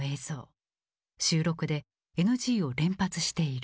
収録でＮＧを連発している。